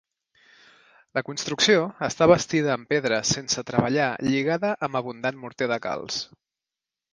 La construcció està bastida en pedra sense treballar lligada amb abundant morter de calç.